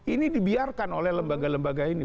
ini dibiarkan oleh lembaga lembaga ini